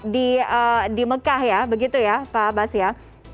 di mekah ya begitu ya pak abbas ya